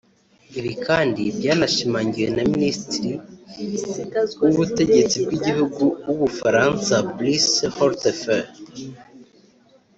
Ibi kandi byanashimangiwe na minisitiri w’ubutegetsi bw’igihugu w’u Bufaransa Brice Hortefeux